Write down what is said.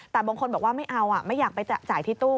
แต่บางคนบอกว่าไม่เอาไม่อยากไปจ่ายที่ตู้